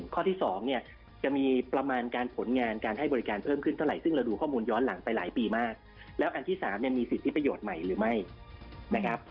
ข้อที่๒เนี่ยจะมีประมาณการผลงานการให้บริการเพิ่มขึ้นเท่าไหร่ซึ่งเราดูข้อมูลย้อนหลังไปหลายปีมากแล้วอันที่๓เนี่ยมีสิทธิประโยชน์ใหม่หรือไม่นะครับ